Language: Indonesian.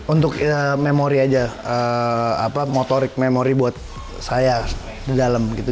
untuk memori aja apa motorik memori buat saya di dalam gitu